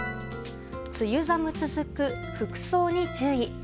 梅雨寒続く、服装に注意。